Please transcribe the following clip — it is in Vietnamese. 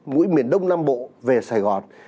mũi miền đông nam bộ về sài gòn